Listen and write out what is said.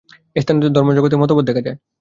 এই স্থান হইতেই ধর্মজগতে মতভেদ দেখা যায়।